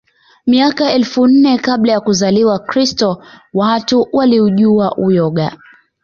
Miaka elfu nne kabla ya kuzaliwa Kristo watu waliujua uyoga